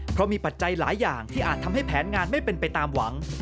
เพราะมีปัจจัยหลายอย่างที่อาจทำให้แผนงานไม่เป็นไปตามหวัง